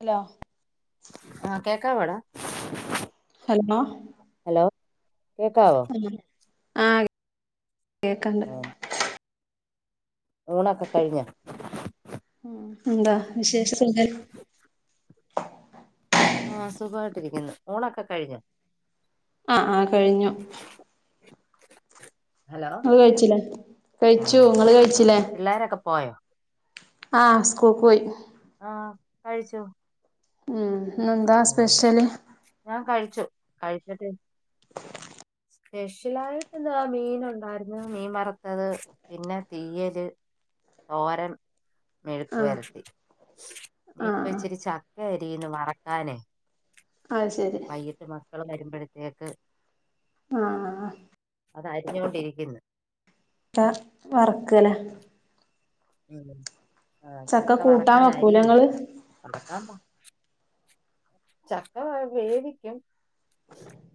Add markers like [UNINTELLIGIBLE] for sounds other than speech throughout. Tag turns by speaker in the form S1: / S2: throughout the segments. S1: Hello?
S2: ആഹ കേക്ക വടാ?
S1: ഹലോ?
S2: ഹലോ കേക്കാവോ?
S1: ആഹ കേക്ക്ണ്ട്.
S2: ആഹ് ഊണൊക്കെ കഴിഞ്ഞോ.
S1: ഉം എന്താ വിശേഷം സുഖ
S2: ആ സുഖമായിട്ടിരിക്കുന്നു. ഊണൊക്കെ കഴിഞ്ഞോ?
S1: ആ ആ കഴിഞ്ഞു.
S2: ഹലോ
S1: ഇങ്ങള് കഴിച്ചില്ലേ കഴിച്ചു നിങ്ങള് കഴിച്ചില്ലേ?
S2: പിള്ളേരൊക്കെ പോയോ?
S1: ആ സ്കൂക്കോയി.
S2: ആഹ കഴിച്ചു.
S1: ഉം ഇന്നെന്താ
S2: ഓ
S1: സ്പെഷ്യല്
S2: ഞാൻ കഴിച്ചു കഴിച്ചിട്ട്.
S1: [INAUDIBLE]
S2: സ്പെഷ്യലായിട്ട് ഇന്ത മീൻ ഉണ്ടായിരുന്നു. മീൻ വറത്തത് പിന്നെ തീയല്. തോരൻ മെഴുക്ക
S1: ആഹ്
S2: പെരട്ടി. ഇപ്പ
S1: ആഹ്
S2: ഇച്ചിരിച്ചക്ക അരിന്ന് വറക്കാന്.
S1: അഹ് ശരി
S2: വൈകിട്ട് മക്കൾ വരുമ്പോഴത്തേക്ക്.
S1: ആഹ്
S2: അത് അരിഞ്ഞുകൊണ്ടിരിക്കുന്നു.
S1: ത വറക്കല്.
S2: ഉ ആ ചക്ക
S1: കൂട്ടാൻ വെക്കൂലേ
S2: വറക്കാനരിന്ന്
S1: ഇങ്ങള്
S2: വറക്കാമ്പാ ചക്ക വേവിക്കും.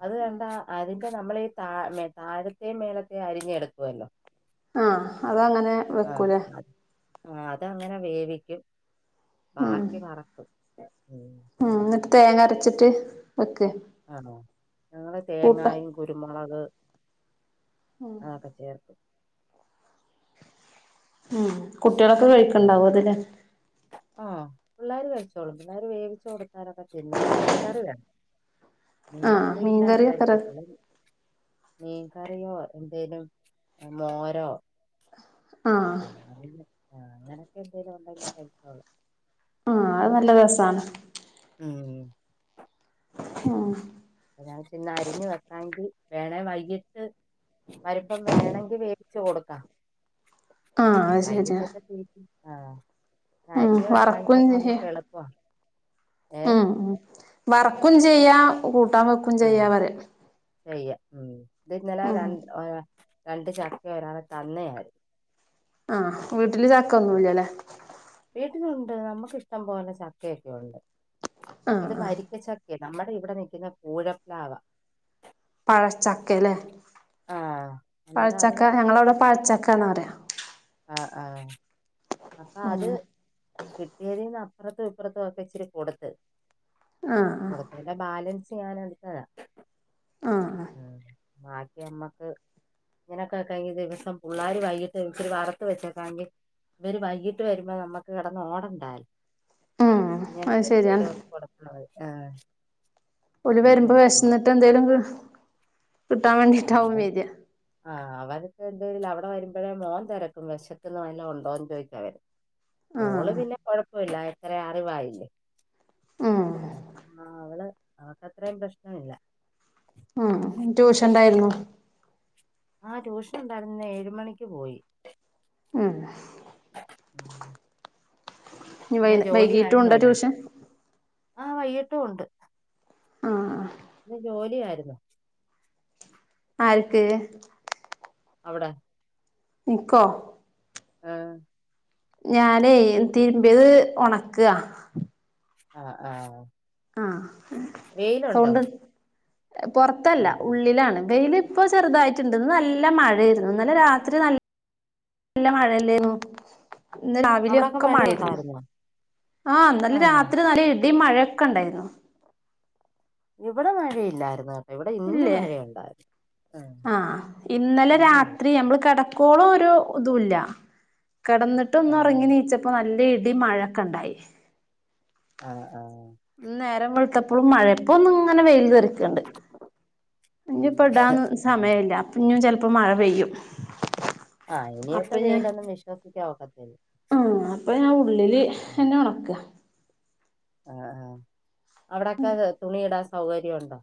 S2: അത് വണ്ട അതിന്റെ നമ്മൾ ഈ താ മ താഴത്തെയും മേളത്തെയും അരിഞ്ഞ എടുക്കുവല്ലോ.
S1: ആ അതങ്ങനെ
S2: ആഹ
S1: വെക്കൂലേ
S2: ആ അതങ്ങനെ വേവിക്കും. ബാക്കി വറക്കും. ഉം
S1: ഉ എന്നിട്ട് തേങ്ങരച്ചിട്ട് വെക്കൊ.
S2: ആ ഞങ്ങള്
S1: കൂട്ട
S2: തേങ്ങായും കുരുമുളക് അതൊക്കെ ചേർക്കും.
S1: ഉം കുട്ടികളൊക്കെ കഴിക്കണ്ടാവും അത് ല്ലേ.
S2: ആഹ പിള്ളേർ കഴിച്ചോളൂ പിള്ളേർ വേവിച്ച് കൊടുത്താലൊക്കെ തിന്നോളും മീൻ കറി വേണം.
S1: ആഹ്
S2: മീൻകറിയില്ലാത
S1: മീൻകറിയൊക്കെ ര
S2: കഴിക്കത്തില്ല. മീൻകറിയോ എന്തേലും മോരോ
S1: ആഹ്
S2: ആഹ് അങ്ങനൊക്കെ എന്തെങ്കലും ഉണ്ടെങ്കിൽ കഴിച്ചോളു
S1: ആഹ് അത് നല്ല രസാണ്
S2: ഉം
S1: ഉം
S2: അപ്പൊ ഞാൻ ചന്ന അരിഞ്ഞ് വെക്കാെങ്കിൽ വേണേ വൈകിട്ട് വരുമ്പം വേണങ്കി വേവിച്ച് കൊടുക്കാം
S1: ആഹ് അത് ശരിയാ
S2: വൈകിട്ടൊക്കെ തീറ്റി ആഹ്
S1: ഉം
S2: അരിഞ്ഞ്
S1: വറക്കും
S2: വെക്കാവെങ്കി
S1: ചെയ്യ
S2: നമുക്ക് എളു ആഹ്
S1: ഉം വർക്കും ചെയ്യാ കൂട്ടാൻ വെക്കു
S2: ആഹ് ചെയ്യ ഉം ഇതിന്നല
S1: ഉം
S2: രണ്ട് രണ്ട് ചക്ക ഒരാള് തന്നയാര്
S1: ആഹ് വീട്ടില് ചക്കൊന്നുംല്ലല്ലേ
S2: വീട്ടിലുണ്ട് നമ്മുക്കിഷ്ടം പോലെ ചക്കൊയക്കയുണ്ട്
S1: ആഹ്
S2: ഇത്
S1: ആഹ്
S2: വരിക്കച്ചക്ക കയാ നമ്മുടെ ഇവിടെ നിൽക്കുന്ന കൂഴപ്പ്ലാവ
S1: പഴച്ചക്ക അല്ലേ
S2: ആഹ് അന്നേരം അത്
S1: പഴച്ചക്ക ഞങ്ങളവിടെ പഴച്ചക്കന്ന് പറയാ
S2: ആഹ് ആഹ്. അപ്പൊ അത്
S1: ഉം
S2: കിട്ടിയതിൽന്ന് അപ്പുറത്തും ഇപ്പുറത്തും ഒക്കെ ഇച്ചിരി കൊടുത്ത്.
S1: ആഹ് ആഹ്
S2: കൊടുത്തേന്റെ ബാലൻസ് ഞൻ എടുത്തതാ.
S1: ആഹ് ആഹ്
S2: അഹ് ബാക്കി അമ്മക്ക്. ഇങ്ങനൊക്കെ കഴിഞ്ഞ ദിവസം പുള്ളാര് വൈകിട്ട് ഇത്തിരി വറുത്ത് വച്ചേക്കാങ്കിൽ. ഇവര് വൈകീട്ട് വരുമ്പോൾ നമ്മുക്ക് കെടന്ന് ഓടണ്ട
S1: ഉം അത്
S2: ഇങ്ങനത്തെ
S1: ശരിയാണ്
S2: എന്തേലും. ആഹ് ആഹ്.
S1: ഓല്
S2: അങ്ങ്
S1: വരുമ്പോ
S2: കഴിച്ചോളും
S1: വിശന്നിട്ട് എന്തേലും കിട്ടാൻ
S2: ആഹ്
S1: വേണ്ടിട്ടാവും
S2: അവൻ
S1: വര.
S2: ആഹ് അവനൊക്ക എന്തും അവിടെ വരുമ്പോഴേ മോൻ തെരക്കും വിശക്ക്ന്ന് വല്ലാം ഉണ്ടോന്ന് ചോയ്ച്ചാവര. മോള്
S1: ആഹ്
S2: പിന്നെ കൊഴപ്പില്ല ഇത്ര അറിവായില്ലേ.
S1: ഉം
S2: അ അവള് അവക്ക് അത്രയും പ്രശ്നവില്ല.
S1: ആഹ് ട്യൂഷൻണ്ടായിരുന്നു
S2: ആഹ് ട്യൂഷൻ ഉണ്ടായിരുന്ന് ഇന്ന് ഏഴ് മണിക്ക് പോയി.
S1: ഉം. ഇനി വൈ
S2: പിന്നെ ജോലി
S1: വൈകീട്ടും ഉണ്ടോ
S2: ആയിരുന്നല്ലെ.
S1: ട്യൂഷൻ
S2: ആഹ് വൈകിട്ടും ഉണ്ട്.
S1: ആഹ്
S2: ഇ ജോലിയാര്ന്നോ.
S1: ആർക്ക്.
S2: അവിടെ
S1: ഇക്കോ.
S2: ആഹ്.
S1: ഞാനേ തിരുമ്പിയത് ഒണക്ക.
S2: ആഹ് ആഹ്.
S1: ആഹ്
S2: വെയിലുണ്ടോ
S1: സൗണ്ട് പുറത്തല്ല
S2: ഉം.
S1: ഉള്ളിലാണ് വെയില്. ഇപ്പൊ ചെറുതായിട്ടുണ്ട് നല്ല മഴയിരുന്നു ഇന്നലെ രാത്രി നല്ല. നല്ല മഴയല്ലേരുന്നു ഇന്ന് രാവിലെ
S2: അവിടൊക്കെ
S1: ഒക്കെ
S2: മഴ
S1: മഴരുന്നു.
S2: ഉണ്ടായിരുന്നോ
S1: ആഹ് ഇന്നല
S2: ആഹ്
S1: രാത്രി നല്ല ഇടിയും മഴയൊക്കെ ഉണ്ടായിരുന്നു.
S2: ഇവിടെ മഴയില്ലായിരുന്നു. ഇവിടെ ഇന്ന്
S1: ഇല്ലേ
S2: മഴയുണ്ടായിരുന്നു
S1: ആഹ് ഇന്നലെ
S2: ഇന്നില്ല
S1: രാത്രി നമ്മൾ കട. ക്കോളൊരു ഇതുല്ല കിടന്നിട്ട് ഒന്
S2: ആഹ്
S1: ഒറങ്ങി നീച്ചപ്പോ നല്ല. ഇടി മഴൊക്കെണ്ടായി.
S2: ആഹ് ആഹ്.
S1: ഇന്ന് നേരം വെളുത്തപ്പോഴും മഴ പ്പോ ഒന് ഇങ്ങനെ വെയിൽഎറിക്കുണണ്ട്. ഇനി ഇപ്പടാന്
S2: ആഹ്
S1: സമയില്ല അപ്പൊ ഇഞ്ഞും ചിലപ്പോ മഴ പെയ്യും.
S2: ആഹ്
S1: അപ്പൊ
S2: ഇനിയത്തെ
S1: ഞാൻ
S2: വെയിലൊന്നും വിശ്വസിക്കാൻ ഒക്കത്തില്ല
S1: അപ്പൊ ഞാ ഉള്ളില്
S2: ഉം.
S1: ന്നെ ഒണക്ക.
S2: ആഹ് ആഹ് അവിടെക്കെ തുണിയിടാൻ സൗകര്യം ഉണ്ടോ?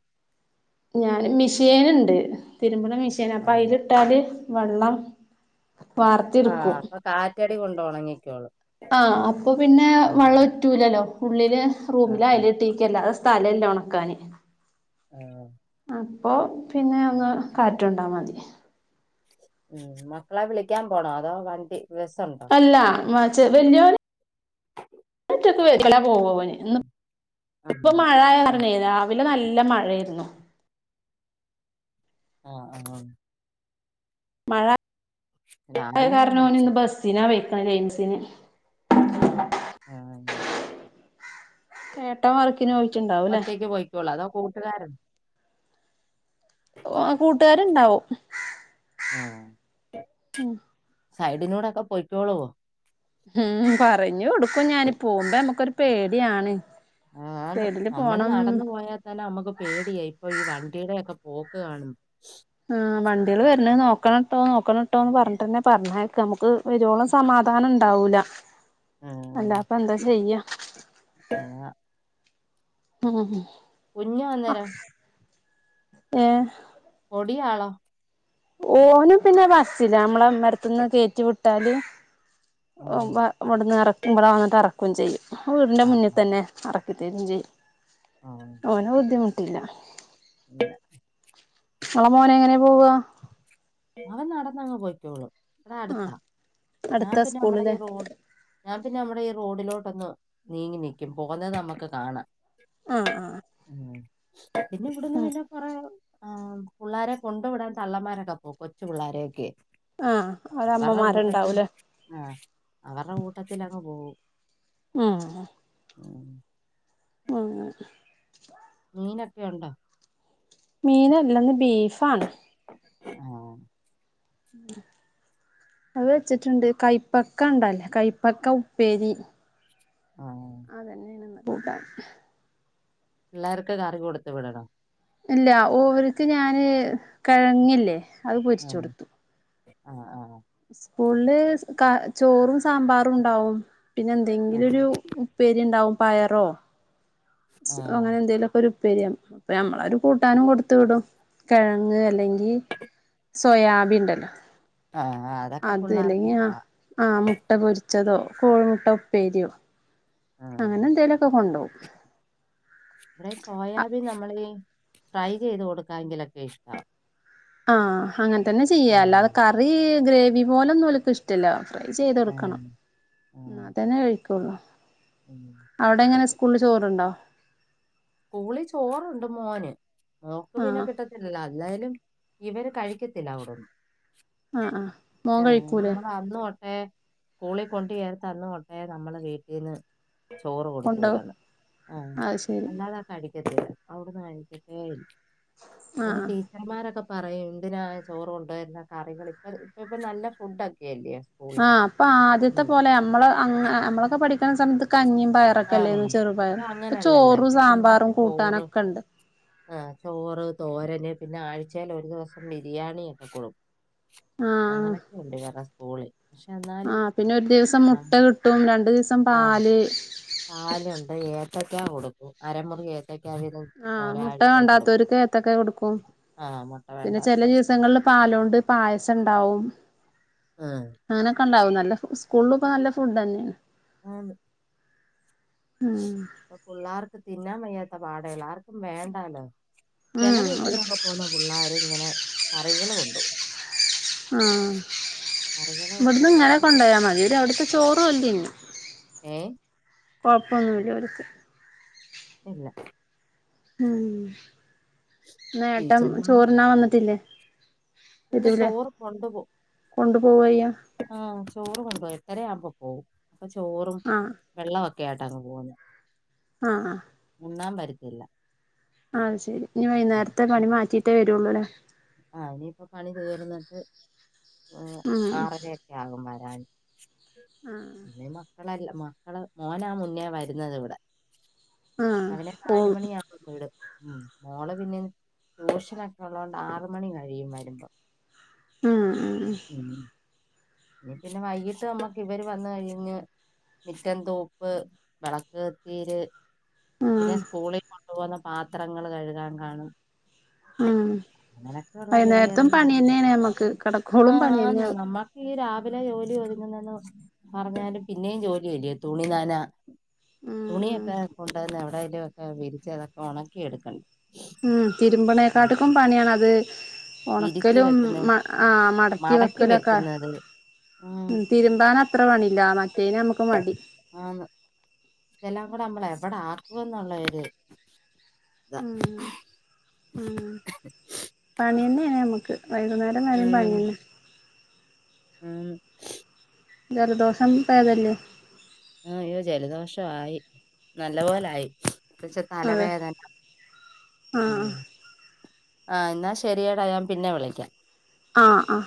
S1: ഞാന് മെഷീൻണ്ട് തിരുമ്പണ മിഷീൻ അപ്പൊ
S2: ആഹ്
S1: അതിലിട്ടാല് വെള്ളം. വാർത്തെടുക്കും
S2: ആഹ് അപ്പൊ കാറ്റടി കൊണ്ട് ഒണങ്ങിക്കോളൂം.
S1: ആഹ് അപ്പൊ പിന്നെ വെള്ളം ഒറ്റൂലല്ലോ ഉള്ളില്
S2: ആഹ്
S1: റൂമില് അയല
S2: ആഹ്
S1: കെട്ടി. ക്ക് അല്ലതെ സ്ഥലല്ല ഒണക്കാന്.
S2: ആഹ്.
S1: അപ്പോ പിന്നെ ഒന്ന് കാറ്റുണ്ടാൽ മതി.
S2: ഉം മക്കളെ വിളിക്കാൻ പോകണോ അതോ വണ്ടി ബസുണ്ടോ?
S1: അല്ല ചെ വല്ലോന് ഒറ്റക്കെന്ന പോവോന്.
S2: ആഹ്
S1: ന്ന്ഇപ്പൊ മഴആയ
S2: ആഹ്
S1: കാരണെയ് രാവിലെ നല്ല മഴ ആയിരുന്നു.
S2: ആഹ് ആഹ് ആ.
S1: മഴ
S2: രാവിലെ
S1: കാരണഇന്ന്
S2: മഴയാ
S1: ഓന് ബസിനാ പെയ്ക്ണ് ലെൻ ബസിന്.
S2: ആഹ്
S1: ഏട്ട വർക്കി. ക്കിന് പൊയിക്കിണ്ടാ.
S2: ഒറ്റയ്ക്ക് പോയിക്കോള്ളൂ അതോ കൂട്ടുകാരൊ
S1: കൂട്ടുകാരുണ്ടാവും.
S2: ആഹ് സൈഡിനൂടെക്കെ പോയ്ക്കോളുവോ.?
S1: ഉം പറഞ്ഞു കൊടുക്കുഞാനി പോകുമ്പോ നമ്മുക്കൊരു പേടിയാണ്.
S2: ആന്ന്
S1: സൈഡില്
S2: നമ്മള്
S1: പോണം
S2: നടന്നു പോയാ തന്നെ നമ്മുക്ക് പേടിയേ ഇപ്പൊ ഈ വണ്ടീടെക്കെ പോക്കകാണു
S1: ആ വണ്ടികൾ വരണത് നോക്കണട്ടോ നോക്കണട്ടോ എന്ന് പറഞ്ഞിട്ട തന്നെ പറഞ്ഞയക്ക നമുക്ക് വരുവോളം സമാധാനം ഇണ്ടാവൂല.
S2: ആഹ്.
S1: അല്ലാതെപ്പൊ എന്താ ചെയ്യാ.?
S2: ആ..
S1: ഉം
S2: കുഞ്ഞ് അന്നേരം
S1: ഏഹ്.
S2: ഫൊടിയളോ.?
S1: ഓനും പിന്നെ ബസ്റ്റിന നമ്മള ഇമ്മരത്തിന്ന് കയറ്റി വിട്ടാല്.
S2: ഉം.
S1: ഇവിടുന്ന് ഇറക്കുമ്പോള അങ്ങിട്ട് ഇറക്കുകയും ചെയ്യും വീടിന്റെ
S2: ആ
S1: മുന്നിൽ
S2: ആ
S1: തന്നെ. അറക്കി തെരിചെയ്യും.
S2: ആഹ്
S1: ഓനാ ബുദ്ധിമുട്ടില്ല.
S2: ഉ [UNINTELLIGIBLE]
S1: ങ്ങളെ മോനെ എങ്ങനെയെ പോവാ.?
S2: അവൻ നടന്നങ്ങ് പോയിക്കോള്ളു ഇവിടെ
S1: ആഹ്
S2: അടുത്താ ഞാൻ
S1: അടുത്ത
S2: പിന്നെ നമ്മടെ
S1: സ്കൂളില്
S2: ഈ റോഡ് ഞാൻ പിന്നെ നമ്മടെ ഈ റോഡിലോട്ടൊന്ന് നീങ്ങി നിക്കും പോകുന്നത് നമ്മുക്ക് കാണാം.
S1: ആഹ് ആ..
S2: പിന്നെ ഇവിടന്ന് പിന്നെ കൊറെ ആ പിള്ളാരെ കൊണ്ടു വിടാൻ തള്ളന്മാരൊക്കെ കൊച്ചു പിള്ളോരെയൊക്കെ
S1: ആഹ് അവിടെ
S2: അവരുടെ കൂട്ടത്തിൽ
S1: അമ്മമാരുണ്ടാവൂലേ
S2: ആഹ്. അവർടെ കൂട്ടത്തിലങ്ങ് പോകവും.
S1: ഉം
S2: ഉം
S1: ആഹ് അ
S2: മീനൊക്കെണ്ടോ?.
S1: മീനല്ലന്ന് ബീഫാണ്
S2: ആഹ്
S1: അത് വെച്ചിട്ടുണ്ട് കൈപ്പക്കണ്ടായില കൈപ്പക്ക ഉപ്പേരി,
S2: ആഹ്
S1: അതന്ന് ആണ് ഇന്ന് കൂട്ടാൻ
S2: പിള്ളാർക്കും കറി കൊടുത്തു വിടണോ
S1: ഇല്ല ഓർക്ക് ഞാന് കെഴങ്ങില്ലേ
S2: ആഹ് ആഹ് ആഹ്
S1: സ്കൂളില് ചോറും സാമ്പാറുണ്ടാവും പിന്നെ
S2: ആഹ്
S1: എന്തെങ്കിലുരു ഉപേരിണ്ടാവും പയറോ
S2: ആഹ്
S1: അങ്ങനെ എന്തെലുമൊക്കെരു. അപ്പൊ നമ്മളരു കൂട്ടാനും കൊടുത്തവിടും കിഴങ്ങ് അല്ലെങ്കി സോയാബീൻണ്ടല്ലോ
S2: ആഹ് ആഹ് അതൊക്കെ പിള്ളാർക്കും ഇഷ്ട.
S1: ആഹ് മുട്ട പൊരിച്ചതോ കോഴിമുട്ടപ്പേരിയോ
S2: ആഹ്
S1: അങ്ങനെ എന്തെലുമൊക്കെ കൊണ്ടോവും
S2: ഇവിടെ സോയാബീൻ നമ്മൾഫ്രൈ ചെയ്ത് കൊടുക്കാെങ്കിലൊക്കെ ഇഷ്ട
S1: ആഹ് അങ്ങനെ തന്നെ ചെയ്യാല്ല
S2: ആഹ്
S1: അല്ലാത കറി ഗ്രേവി പോലെ ഒന്നുംലിക്കഷ്ട ട്ടല്ല ഫ്രൈ ചെയ്ത്കൊടുക്കണം
S2: ആഹ് ആഹ്
S1: അതന്നെ കഴിക്കുള്ളൂ.
S2: ഉം
S1: അവിടെ എങ്ങനെ സ്കൂളിൽ ചോറുണ്ടോ
S2: സ്കൂളിൽ ചോറുണ്ട് മോന് മോക്ക്പിന്നെ
S1: ആ
S2: കിട്ട ത്തില്ല എന്തായാലും ഇവര് കഴിക്കത്തില്ല അവിടന്ന്
S1: ആഹ് ആഹ് മോൻ
S2: ആഹ്
S1: കഴിക്കൂലേ
S2: നമ്മൾ അന്ന് തൊട്ടെ സ്കൂളിൽ കൊണ്ട്ചേർത്ത്ന്ന് തൊട്ടേ നമ്മള് വീട്ടിൽന്ന് ചോറ് കൊടുത്ത
S1: കൊണ്ടോവും
S2: വിടണം ആഹ്
S1: അത് ശരി
S2: അല്ലാതെ കഴിക്കത്തില്ല അവിടുന്ന് കഴിക്കത്തേ ഇല്ല അതിന്
S1: ആഹ്
S2: റ്റീ ചർന്മാരൊക്കെ പറയും എന്തിനായ ചോറ് കൊണ്ട വരുന്ന കറികൾ ഇപ്പൊ ഇപ്പ ഇപ്പ നല്ല ഫുഡ ഒക്കെല്ലയോ
S1: ആഹ് അപ്പൊ ആദ്യത്തെ പോലെ നമ്മള് നമ്മളൊക്കെ പഠിക്കുന്ന സമയത്ത് കഞ്ഞിയും
S2: ആ
S1: പയറൊക്കെല്ലേന്ന് ചെറുപയർ ഇപ്പൊ
S2: അങ്ങനല്ലല്ലോ
S1: ചോറും
S2: ഇപ്പൊ
S1: സാമ്പാറും കൂട്ടാനൊക്കെ ഉണ്ട്
S2: ആ്ഹ് ചോറ് തോരന് പിന്നെ ആഴ്ചൽ ഒരു ദിവസം ബിരിയാണി ഒക്കെ കൊടുക്കും
S1: ആഹ്
S2: അങ്ങനൊക്കെ ഉണ്ട് ഇവറ സ്കൂള് ൽ
S1: ആഹ് പിന്നെ ഒരു ദിവസം മുട്ട കിട്ടും രണ്ടു ദിവസം
S2: ആ,
S1: പാല്
S2: പാലുണ്ട് ഏത്തക്കാ കൊടുക്കും അരമുറി ഏത്തയ്ക്ക വീതം
S1: ആഹ് മുട്ട
S2: ഒരാഴ്ച കൊടുക്കും
S1: വണ്ടാത്തവർക്ക് ഏത്തൊക്കെ കൊടുക്കും
S2: ആ മുട്ട
S1: പിന്നെ ചെല
S2: വേണ്ടാത്തവർക്ക്
S1: ദിവസങ്ങളിൽ പാലൊണ്ട് പായസം ഉണ്ടാവും
S2: ആഹ്
S1: അങ്ങനൊക്കെ ഉണ്ടാവും ന സ്കൂളിലൊക്കെ നല്ല ഫുഡ് തന്നെയാണ്
S2: ആണ്
S1: ഉം
S2: ഇപ്പൊ പിള്ളേർക്ക് തിന്നാൻ വയ്യാത്ത പാടെള്ള് ആർക്കും വേണ്ടാലോ
S1: ഉം
S2: ചിലർ ഇവിടന്നൊക്കെ പോകുന്ന പിള്ളോര് ഇങ്ങനെ കറികൾ കൊണ്ട്വും
S1: ആഹ് ഇവിടന്ന് ഇങ്ങനെ
S2: കൊണ്ടുപോയിട്ട്
S1: കൊണ്ട പോയാൽ മതിര് അവിടത്തെ ചോറ് വര് തിന്നും
S2: ഏഹ്
S1: കുഴപ്പമൊന്നുമില്ലോർക്ക്
S2: ഇല്ല
S1: ഉം ഇനേട്ടൻ
S2: ടീച്ചർമാര്
S1: ചോറിനാ വന്നിട്ടില്ലേ
S2: ഇല്ല
S1: വരൂലേ
S2: ചോറ് കൊണ്ടു പോകും
S1: കൊണ്ടു പോവയ്യ
S2: ആഹ് ചോറും കൊണ്ടവും എട്ടരയാവുമ്പോ പോകവും അപ്പൊ ചോറും
S1: ആഹ്
S2: വെള്ളമൊക്കെ ആയിട്ട് അങ്ങ് പോകുന്നത്
S1: ആഹ് ആഹ്
S2: ഉണ്ണാൻ വരുത്തില്ല
S1: ആഹ് ശരി ഇനീ വൈകുന്നേരത്തെ പണി മാറ്റിട്ടേ വരുള്ളൂ അല്ലേ
S2: ആഹ് ഇനിയിപ്പ പണി തീർന്നിട്ട്
S1: ഉം
S2: ആറരക്ക യാകും വരാൻ [UNINTELLIGIBLE] മക്കളല്ല മക്കള് മോനാ മുന്നേ വരുന്നുന്നത് ഇവിടെ
S1: ആഹ്
S2: അവന്
S1: പോവും
S2: നാലുമണി മോള് പിന്നെ ട്യൂഷന് ഒക്കെ ഉള്ളതൊണ്ട് ആറ് മണി കഴിയും വരുമ്പോ ഉം ഇനി പിന്നെ വൈകിട്ട് നമ്മക്ക് ഇവര് വന്ന കഴിഞ്ഞ് മിറ്റൻ തോപ്പ് വിളക്ക് തീര് പിന്നെ
S1: ഉം
S2: സ്കൂളില് കൊണ്ടുപോന്ന പാത്രങ്ങള് കഴുകാന് കാണും
S1: ഉം
S2: അനലൊക്കെ ഉള്ള
S1: വൈന്നേരത്തും
S2: ചെറിയറിയ
S1: പണിയന്നേണ് നമ്മക്ക് കിടക്കോളും
S2: ആഹ ആന്ന്
S1: പണിയന്നാവും
S2: നമ്മ ഈ രാവിലെ ജോലി ഒതുങ്ങുന്നന്ന് പറഞ്ഞാലും പിന്നെയും ജോലില്ല തുണി നാന
S1: ഉം ഉം
S2: തുണിയൊക്കെ കൊണ്ടുവന്ന് എവിടലും ഒക്കെ വിരിച്ച് അതൊക്കെ ഉണക്കി എടുക്കണ്ടണ്ട്
S1: ഉം തിരുമ്പനേക്കാട്ടക്കും പണിയാണ് അത്
S2: വിരിച്ച്
S1: ഉണക്കലും
S2: വെക്കുന്ന
S1: മ ആ മടക്കി വെക്കലൊക്കെ
S2: ഉം
S1: ഉ തിരുമ്പാൻ അത്ര പണല്ല മറ്റേന് നമുക്ക് മടി
S2: ആ ഇതെല്ലാം കൂടെ നമ്മള എവിടെ ആക്കും എന്നുള്ളര്
S1: ഉം ഉം പണി തന്നെയ നമുക്ക് വൈകുന്നേരം എലും
S2: ഉം
S1: പിയന്നെ
S2: ഉം.
S1: ജലദോഷം പതല്
S2: ആഹ അയ്യോ ജലദോഷ ആയി നല്ല പോലൊയി പക്ഷെ
S1: അതെ
S2: തലവേദന
S1: ആഹ്
S2: ഉം ആ എന്നാ ശരിയടാ ഞാൻ പിന്നെ വിളിക്കാം
S1: ആ ആ